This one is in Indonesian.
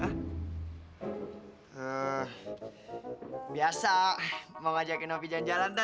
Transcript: eee biasa mau ngajakin opi jalan jalan tan